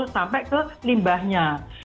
sampai ke limbahnya